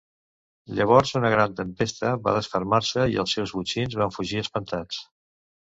Llavors una gran tempesta va desfermar-se i els seus botxins van fugir espantats.